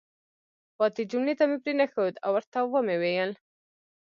پاتې جملې ته مې پرېنښود او ورته ومې ویل: